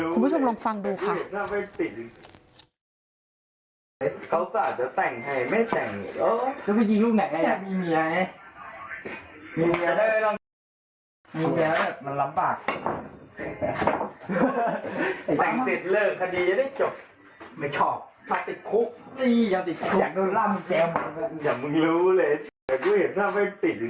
คุณผู้ชมลองฟังดูค่ะ